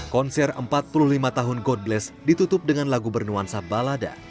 konser empat puluh lima tahun god bless ditutup dengan lagu bernuansa balada